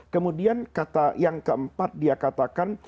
kemudian kata yang keempat dia katakan